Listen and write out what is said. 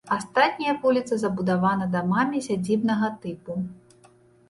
Астатняя вуліца забудавана дамамі сядзібнага тыпу.